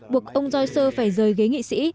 buộc ông joycer phải rời ghế nghị sĩ